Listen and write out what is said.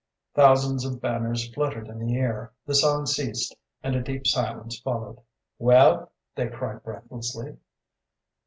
"Thousands of banners fluttered in the air, the song ceased, and a deep silence followed." "Well?" they cried breathlessly.